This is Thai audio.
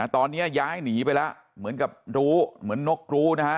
ตอนนี้ย้ายหนีไปแล้วเหมือนกับรู้เหมือนนกรู้นะฮะ